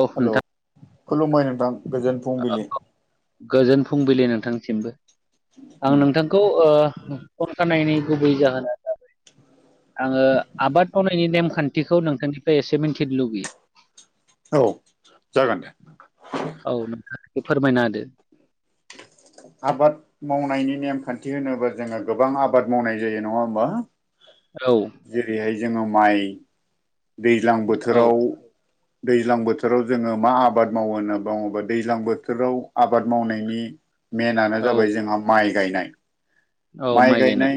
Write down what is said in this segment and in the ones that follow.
औ हेल' नोंथां खुलुमबाय नोंथां गोजोन फुंबिलि गोजोन फुंबिलि नोंथांसिमबो आं नोंथांखौ ओ फन खामनायनि गुबै जाहोना जाबाय आङो आबाद मावनायनि नेमखानथिखौ नोंथांनिफाय एसे मिथिनो लुबैयो औ जागोन दे औ नोंथां फोरमायना होदो आबाद मावनायनि नेमखानथि होनोबा जोङो गोबां आबाद मावनाय जायो नङा होमबा? औ जेरैहाय जोङो माइ दैज्लां औ बोथोराव दैज्लां बोथोराव जोङो मा आबाद मावो होनना बङोबा दैज्लां बोथोराव आबाद मावनायनि मेनानो औ जाबाय जोंहा माइ गायनाय औ माइ गायनाय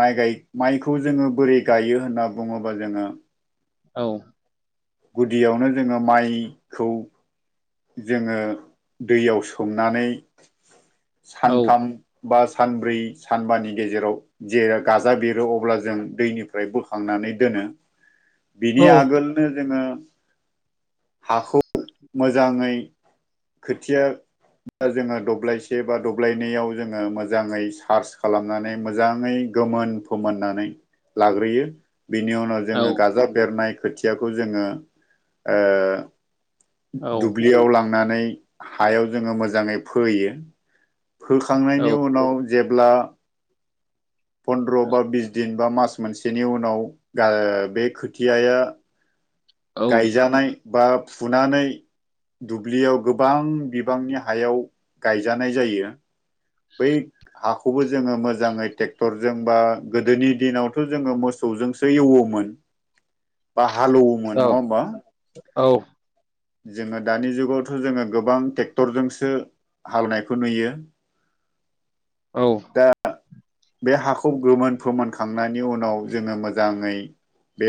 माइ गाय माइखौ जोङो बोरै गायो होनना बुङोबा जोङो औ गुदियावनो जोङो माइखौ जोङो दैयाव सोमनानै औ सानथाम बा सानब्रै सानबानि गेजेराव जे गाजा बेरो अब्ला जों दैनिफ्राय बोखांनानै दोनो [unintelligible] बिनि आगोलनो जोङो हाखौ मोजाङै खोथिया जोङो दब्लायसे बा दब्लायनैयाव जोङो मोजाङै सार्च खालामनानै मोजाङै गोमोन फोमोननानै लाग्रोयो बिनि उनाव औ जोङो गाजा बेरनाय खोथियाखौ जोङो ओ औ दुब्लियाव लांनानै हायाव जोङो मोजाङै फोयो औ फोखांनायनि उनाव जेब्ला फनन्द्र' बा बिस दिन बा मास मोनसेनि उनाव गा बे खोथियाया गायजानाय बा फुनानै दुब्लियाव गोबां बिबांनि हायाव गायजानाय जायो बै हाखौबो जोङो मोजाङै ट्रेक्टरजों बा गोदोनि दिनावथ' जोङो मोस सौजोंसो एवोमोन बा हालौ औ औ जोङो दानि जुगावथ' जोङो गोबां ट्रेक्टरजोंसो हालौनायखौ नुयो औ बे हाखौ गोमोन फोमोनखांनायनि उनाव जोङो मोजाङै बे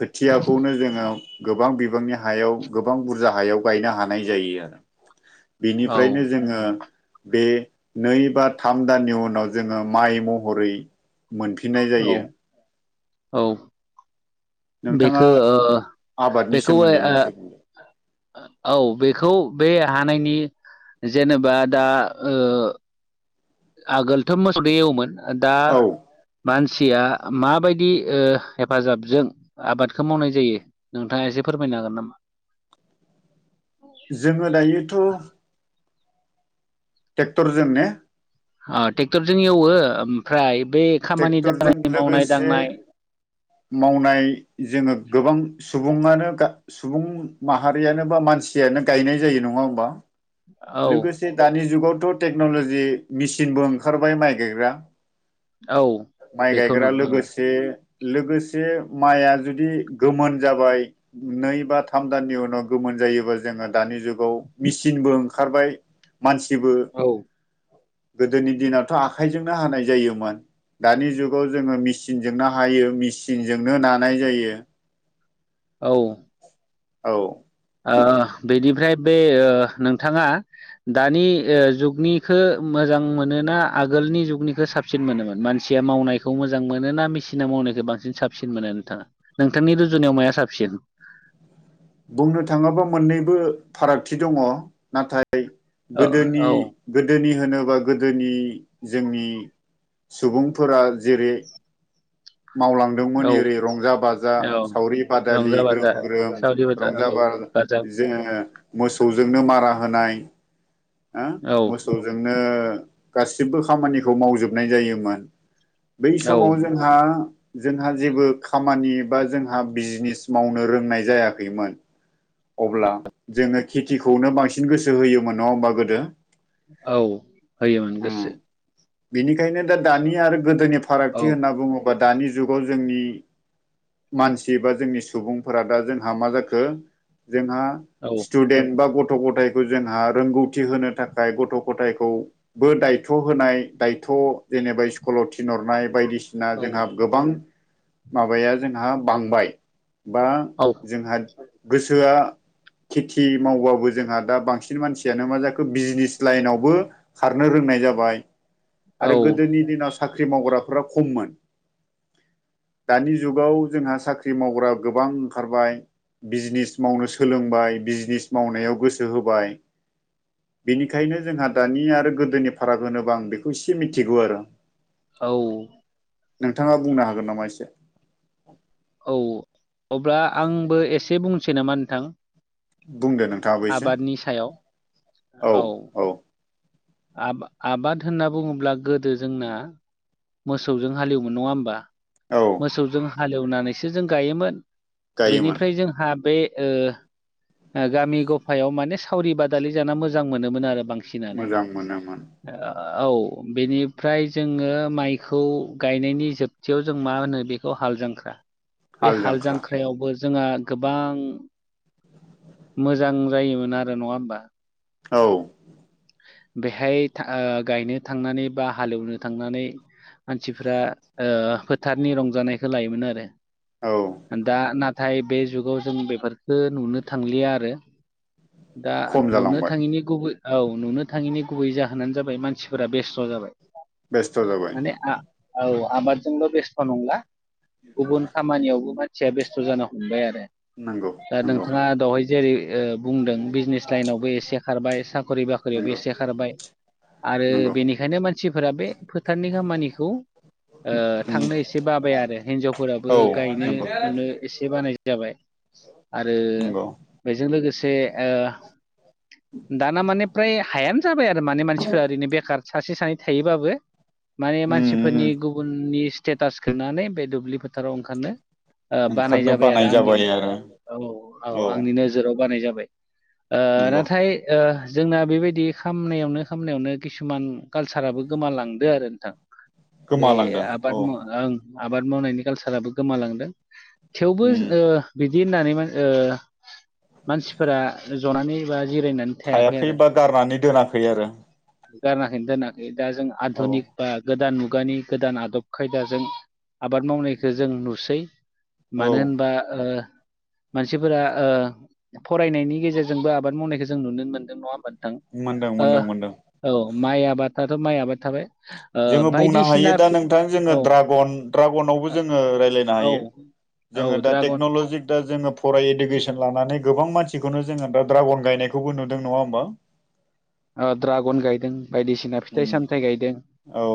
खोथियाखौनो जोङो गोबां बिबांनि हायाव गोबां बुरजा हायाव गायनो हानाय जायो आरो औ बेनिफ्रायनो जोङो बे नै बा थाम दाननि उनाव जोङो माइ महरै मोनफिननाय जायो औ नोंथाङा बेखो ओ आबादनि बेखौ ओइ सोमोन्दै ओ मोनसे बुंदों औ बेखौ बे हा नायनि जेनेबा दा ओ आगोलथ' मोसौदो एवोमोन दा औ मानसिया माबायदि ओ हेफाजाबजों आबादखौ मावनाय जायो नोंथाङा एसे फोरमायनो हागोन नामा [inaudible] जोङो दायोथ' ट्रेक्टरजों ने अ ट्रेक्टरजों एवो ओमफ्राय बे खामानि ट्रेक्टरजों दामानि मावनाय लोगोसे दांनाय मावनाय जोङो गोबां सुबुंङानो गा सुबुं माहारियानो बा मानसियानो गायनाय जायो नङा होमबा औ लोगोसे दानि जुगावथ' टेक्न'ल'जि मेसिनबो ओंखारबाय माइ गायग्रा औ माइ बेखौनो गायग्रा औ लोगोसे लोगोसे माया जुदि गोमोन जाबाय नै बा थाम दाननि उनाव गोमोन जायोबा जोङो दानि जुगाव मेसिनबो ओंखारबाय मानसिबो औ गोदोनि दिनावथ' आखाइजोंनो हानाय जायोमोन दानि जुगाव जोङो मेसिनजोंनो हायो मेसिनजोंनो नानाय जायो औ औ ओ बेनिफ्राय बे ओ नोंथाङा दानि ओ जुगनिखो मोजां मोनोना आगोलनि जुगनिखौ साबसिन मोनोमोन मानसिया मावनायखौ मोजां मोनो ना मेसिना माव मावनायखो बांसिन साबसिन मोनो नोंथाङा नोंथांनि रुजुनायाव माया साबसिन बुंनो थाङोबा मोननैबो फारागथि दङ नाथाय औ गोदोनि औ गोदोनि होनोबा गोदोनि जोंनि सुबुंफोरा जेरै मावलांदोंमोन औ ओरै रंजा बाजा औ सावरि बादालि रंजा बाजा ग्रोम ग्रोम सावरि बाजा रंजा औ बाजा गाजा जे मोसौजोंनो मारा होनाय ओ औ मोसौजोंनो गासिबो खामानिखौ मावजोबनाय जायोमोन बै औ समाव जोंहा जोंहा जेबो खामानि बा जोंहा बिजनेस मावनो रोंनाय जायाखैमोन अब्ला जोङो खेथिखौनो बांसिन गोसो होयोमोन नङा होमबा गोदो औ होयोमोन गोसो बिनिखायनो दा दानि आरो गोदोनि औ फारागथि होनना बुङोबा दानि जुगाव जोंनि मानसि बा जोंनि सुबुंफोरा दा जोंहा मा जाखो जोंहा औ स्टुडेन्ट बा ग थ' गथायखौ जोंहा रोंगौथि होनो थाखाय गथ' गथायखौबो दायथ' होनाय दायथ' थ' जेनेबा स्कुलाव थिनहरनाय बायदिसिना जोंहा गोबां माबाया जोंहा बांबाय बा औ जोंहा गोसोआ खेथि मावबाबो जोंहा दा बांसिन मानसियानो मा जाखो बिजनेस लाइनावबो खारनो रों नाय जाबाय औ आरो गोदोनि दिनाव साख्रि मावग्राफोरा खममोन ज [unintelligible] दानि जुगाव जोंहा साख्रि मावग्रा गोबां ओंखारबाय बिजनेस मावनो सोलोंबाय बिजनेस मावनायाव गोसो होबाय बेनिखायनो जोंहा दानि आरो गोदोनि फाराग होनोबा आं बेखौ एसे मिथिगौ आरो औ नोंथाङा बुंनो हागोन नामा एसे औ अब्ला आंबो एसे बुंसै नामा नोंथां बुंदो नोंथाङाबो एसे आबादनि सायाव औ औ आ आबाद होनना बुङोब्ला गोदो जोंना मोसौजों हालेवोमोन नङा होमबा औ मोसौजों हालेवनानैसो जों गायोमोन गायोमोन बेनिफ्राय जोंहा बे ओ गामि गफायाव माने सावरि बादालि जाना मोजां मोनोमोन आरो बांसि नानो नामा औ बेनिफ्राय जोङो माइखौ गायनायनि जोबथियाव जों मा होनो बेखौ हाल जांख्रा बे हाल जांख्रायावबो जोंहा गोबां मोजां जायोमोन आरो नङा होमबा औ बेहाय था ओ गायनो थांनानै बा हालेवनो थांनानै मानसिफ्रा ओ फोथारनि रंजानायखौ लायोमोन आरो औ दा ना थाय बे जुगाव जों बेफोरखौ नुनो थांलिया आरो दा खम नुनो जालांबाय थाङैनि गुबै औ नुनो थाङिनि गुबै जाहोनानो जाबाय मानसिफोरा बेस्थ' जाबाय बेस्थ जाबाय माने आ- औ आबादजोंल' बेस्थ' नंला गुबुन खामानियावबो मानसिया बेस्थ' जानो हमबाय आरो नंगौ दा नंगौ नोंथाङा दावहाय जेरै ओ बुंदों बिजनेस लाइनावबो एसे खारबाय साखरि फोरावबो नंगौ एसे खारबाय आरो नंगौ बेनिखायनो मान सिफोरा बे फोथारनि खामानिखौ ओ उम थांनो एसे बाबाया आरो हिनजाव फोराबो औ गायनो नंगौ गुनो एसे बानाय जाबाय आरो नंगौ बेजों लोगोसे ओ दाना माने ओमफ्राय हायानो जाबाय आरो माने मानसिफ्रा ओरैनो बेखार सासे सानै थायोबाबो माने उम मानसिफोरनि उम गुबुननि स्टेटास खोनानै बे दुब्लि फोथाराव ओंखारनो ओ बानाय ओंखारनो जाबाय आरो जाबाय आंनिनो आरो औ औ आंनि नोजोराव बानाय जाबाय ओ नंगौ नाथाय ओ जोंना बेबायदि खामनायावनो खामनायावनो किसुमान कालसाराबो गोमालांदो आरो नोंथां बे गोमालांदों आबाद औ मावा ओ आबाद मावनायनि कालसाराबो गोमालांदों थेवबो बिदि उम बिदि होननानै मानसिफोरा जनानै बा जिरायनानै थायाखै फै आरो बा गारनानै दोनाखै आरो गारनाखैनो दोनाखै दा जों औ आधुनिक बा गोदान मुगा मुगानि गोदान आदब खायदाजों आबाद मावनायखौ जों नुसै औ मानो होनबा मानसिफोरा फरायनायनि गेजेरजोंबो आबाद मावनायखौ जों नुनो मोनदों नङा होमबा थां मोनदों मोनदों मोनदों औ माइ आबादाथ' माइ आबाद थाबाय ओ जोङो बुंनो हायो बायदिसिना दा नोंथां जोङो औ ड्रागन ड्रागनावबो जोङो राय्लायनो औ हायो औ जोङो दा ड्रागन टेक्न'लजि दा जोङो फराय इडुकेसन लानानै गोबां मानसि खौनो जोङो दा दड्रागन गायनायखौबो नुदों नङा हमबा बायसिना फिथाइ उम सामथाय गायदों औ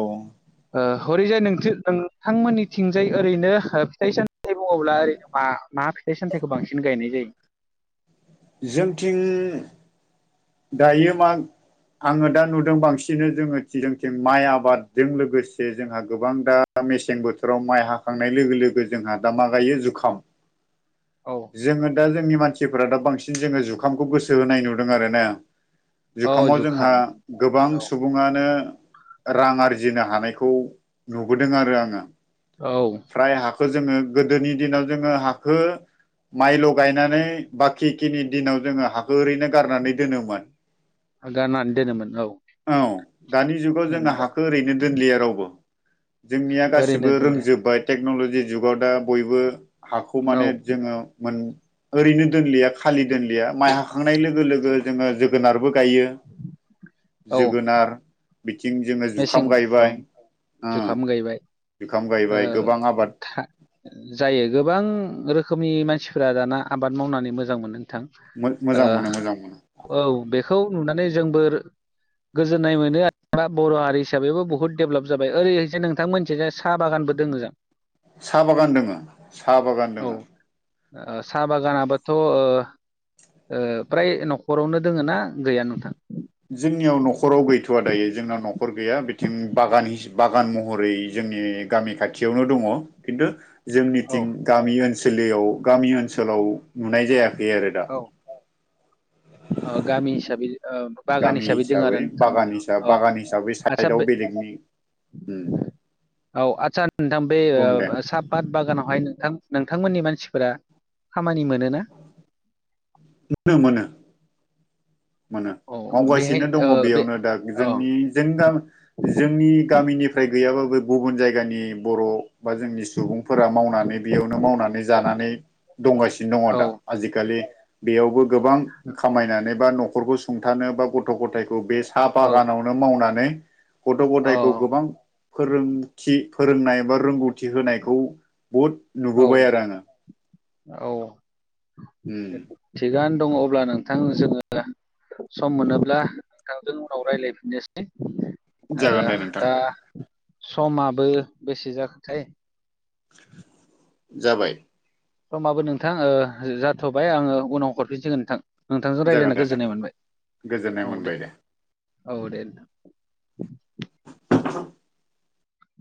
हरैजायथ नोंथांमोननिथिंजाय ओरैनो फिथाइ सामथाइ बुङोब्ला ओरैनो मा फिथाइ सामथाइखौ बांसिन गायनाय जायो जोंथिं दायो मा आङो दा नुदों बांसिन जोङो थिं जोंथिं माइ आबादजों लोगोसे जोंहा गोबां दा दा मेसें बोथोराव माइ हाखांनाय लोगो लोगो जोंहा दा मा गायो जुखाम [inaudible] औ जोङो दा जोंनि मानसिफोरा दा बांसिन जोङो जुखामखौ गोसो होनाय नुदों आरोना औ जुखामाव जोंहा जुखाम गोबां औ सुबुङानो रां आरजिनो हानायखौ नुबोदों आरो आङो औ फ्राय हाखौ जोङो गोदोनि दिनाव जोङो हाखो माइ ल' गायनानै बाखि खिनि दिनाव जोङो हाखो ओरैनो गारनानै दोनोमोन गाननानै दोनोमोन औ दानि जुगाव जोंना हाखौ ओरैनो दोनलिया रावबो जोंनिया ओरैनो गासिबो दोनदो रोंजोबबाय टेक्न'लजि जुगाव दा बयबो हाखौ औ माने जोङो ओरैनो दोनलिया खालि दोनलिया माइ हाखांनाय लोगो लोगो जोङो जोगोनारबो गायो औ जोगोनार थिं जोङो मेसें जुखाम औ गायबाय ओ जुखाम गायबाय जुखाम गायबाय गोबां आबाद जायो गोबां रोखोम रोखोमनि मानसिफोरा दाना आबाद मावनानै मोजां मोनो मोजां मोनो मोजां मोनो औ बेखौ नुनानै जोंबो गोजोननाय मोनो आरो बर' हारि हिसाबैबो बुहुत डेभलप जाबाय ओरैजाय नोंथां मोनसेजों साह बागानबो दङो जा साहा बागान दोङो साहा बागान औ ओ दोङो साहा बागानाबोथ' ओ फ्राय न'खरावनो दोङो ना गैया नोंथां अ दायो जोंनाव न'खर गैया बिथिं बागान बागान महरै जोंनि गामि खाथियावनो दङ अ खिनथु औ जोंनिथिं गामि ओनसोलयाव गामि ओनसोलाव नुनाय जायाखै आरो दा अ गामि हिसाबै ओ बागान गामि दोङो आरो हिसाबै बागान नोंथांमोननियाव हिसाबै औ बागान हिसाबै आदसा साइदआव बेले हम औ आतसा नोंथां बे साहा पात बागानाव बेहाय नोंथां नोंथांमोननि मानसिफोरा खामानि मोनोना मोन मोनो मोनो औ बेहाय मावगासिनो दङ ओ बे बेयावनो दा औ जोंनि जों जोंनि गामिनि फ्राय गैयाबाबो गुबुन जायगानि बर' बा जोंनि सुबुंफोरा मावनानै बेयावनो मावनानै जानानै दंगासिनो दङ औ दा आजिखालि बेयावबो गोबां खामायनानै बा न'खरखौ सुंथानो बा गथ' गथ' गथायखौ बे साहा औ बागानावनो मावनानै गथ' गथायखौ औ गोबां फोरोंथि फोरोंनाय बा रोंगौथि होनायखौ बहुद औ नुबोबाय आरो आङो औ ओम थिगानो दङ अब्ला नोंथां जोङो सम मोनोब्ला नोंथांजों उनाव रायलायफिननोसै ओ जागोन दे नोंथां दा समाबो बेसे जाखोथाय जाबाय समाबो नोंथां ओ जाथ'बाय आङो उनाव हरफिनसिगोन नोंथां नोंथांजों जागोन रायलायना दे गोजोननाय नोंथां मोनबाय गोजोननाय औ मोनबाय दे औ दे नोंथां